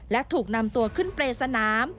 และถูกนำตัวขึ้นเปรย์สนาม